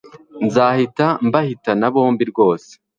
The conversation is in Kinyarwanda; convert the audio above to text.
nzahita mbahitana bombi rwose